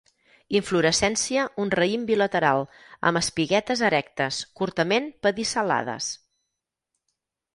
Inflorescència un raïm bilateral, amb espiguetes erectes, curtament pedicel·lades